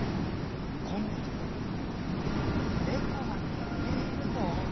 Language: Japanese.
こんなところにねこがねているぞ。